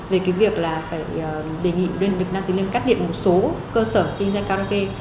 về cái việc là phải đề nghị liên lực nam từ liêng cắt điện một số cơ sở kinh doanh karaoke